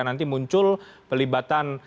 nanti muncul pelibatan